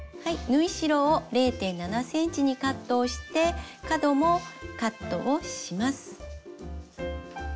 縫い代を０．７ｃｍにカットをして角もカットをします。